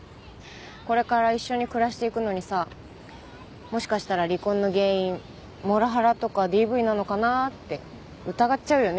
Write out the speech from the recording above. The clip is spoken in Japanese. これから一緒に暮らしていくのにさもしかしたら離婚の原因モラハラとかＤＶなのかなって疑っちゃうよね